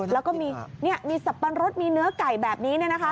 แล้วก็มีสับปะรดมีเนื้อไก่แบบนี้